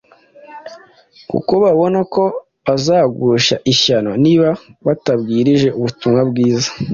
kuko babona ko bazagusha ishyano niba batabwirije ubutumwa bwiza.